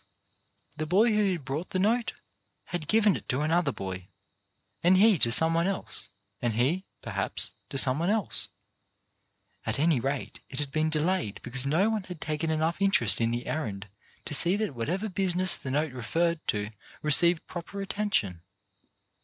The boy who had brought the note had given it to another boy, and he to someone else, and he, perhaps, to someone else. At any rate it had been delayed because no one had taken enough interest in the errand to see that whatever busi ness the note referred to received proper attention.